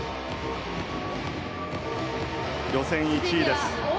予選１位です。